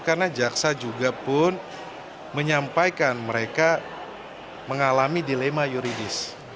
karena jaksa juga pun menyampaikan mereka mengalami dilema yuridis